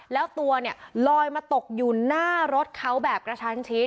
แล้วตัวเนี่ยลอยมาตกอยู่หน้ารถเขาแบบกระชันชิด